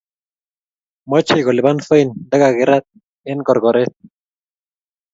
Mochei kolipan fain nda kerat eng korokoret